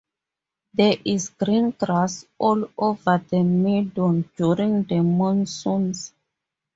There is green grass all over the meadow during the monsoons.